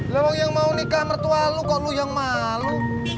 lowong yang mau nikah mertua lo kok lu yang malu